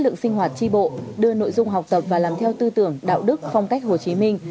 lượng sinh hoạt tri bộ đưa nội dung học tập và làm theo tư tưởng đạo đức phong cách hồ chí minh